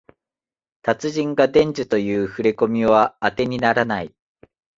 達人が伝授とかいうふれこみはあてにならない